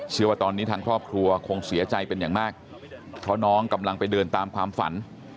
เชื่อว่าตอนนี้ทางครอบครัวคงเสียใจเป็นอย่างมากเพราะน้องกำลังไปเดินตามความฝัน